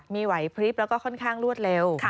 มีไหวพลิบแล้วก็ค่อนข้างรวดเร็ว